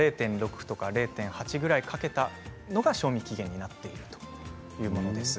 ０．６、０．８ぐらい掛けたのが賞味期限になっているというものです。